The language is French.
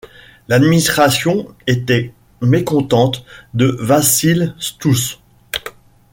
L'administration était mécontente de Vassyl Stouss.